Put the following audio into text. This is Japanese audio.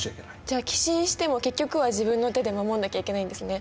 じゃあ寄進しても結局は自分の手で守んなきゃいけないんですね。